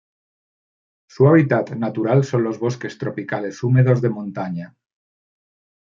Su hábitat natural son los bosques tropicales húmedos de montaña